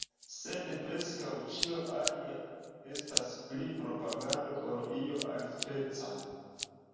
Sed preskaŭ ĉio alia estas pli propagando ol io alispeca.